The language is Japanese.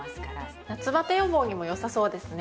夏バテ予防にもよさそうですね。